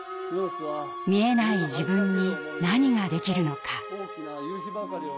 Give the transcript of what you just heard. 見えない自分に何ができるのか。